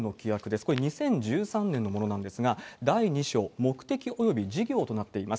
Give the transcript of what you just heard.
これ、２０１３年のものなんですが、第２章、目的および事業となっています。